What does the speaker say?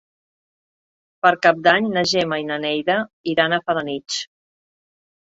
Per Cap d'Any na Gemma i na Neida iran a Felanitx.